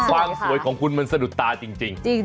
ความสวยของคุณมันสะดุดตาจริง